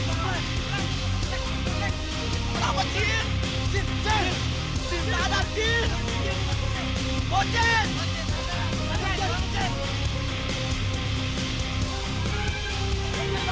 bangu cien bangu cien bangu cien bangu cien bangu cien bangu cien bangu cien bangu cien bangu cien bangu cien bangu cien bangu cien